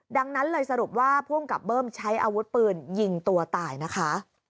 ดังนั้นเลยสรุปว่าภูมิกับเบิ้มใช้อาวุธปืนยิงตัวตายนะคะ